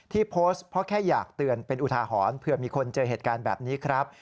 โพสต์เพราะแค่อยากเตือนเป็นอุทาหรณ์เผื่อมีคนเจอเหตุการณ์แบบนี้ครับ